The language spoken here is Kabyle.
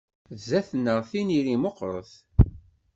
Zzat-neɣ tiniri meqqret.